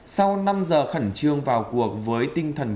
sau năm giờ khẩn trương vào cuộc với tinh thần